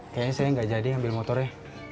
kayaknya saya gak jadi ngambil motor ya